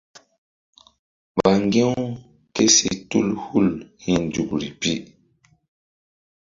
Ɓa ŋgi̧ u ké si tul hul hi̧ nzukri pi.